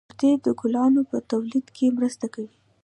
گردې د ګلانو په تولید کې مرسته کوي